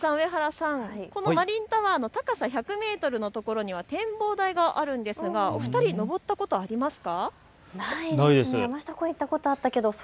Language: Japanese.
井上さん、上原さん、マリンタワー、高さ１００メートルのところには展望台があるんですが、のぼったことありますか。